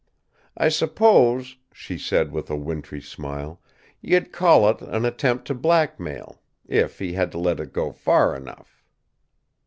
I suppose," she said with a wintry smile, "you'd call it an attempt to blackmail if he had let it go far enough.